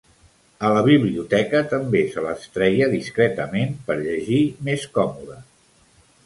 A la biblioteca també se les treia, discretament, per llegir més còmoda.